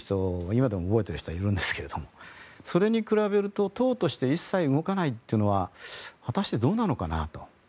今でも覚えている人はいるんですがそれに比べると党として一切動かないというのは果たしてどうなのかなと。